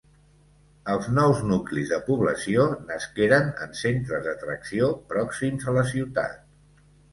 Els nous nuclis de població nasqueren en centres d’atracció pròxims a la ciutat.